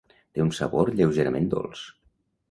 Té un sabor lleugerament dolç.